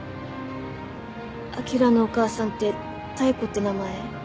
あきらのお母さんって妙子って名前？